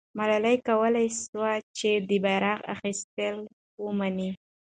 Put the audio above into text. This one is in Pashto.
ملالۍ کولای سوای چې د بیرغ اخیستل ومني.